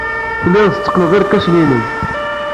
Telliḍ tetteqqneḍ irkasen-nnem.